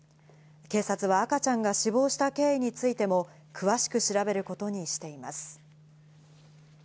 警察は、赤ちゃんが死亡した経緯についても、詳しく調べることにしています。